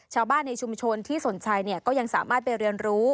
ชาวบ้านในชุมชนที่สนใจก็ยังสามารถไปเรียนรู้